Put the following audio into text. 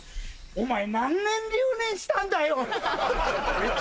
・お前何年留年したんだよ？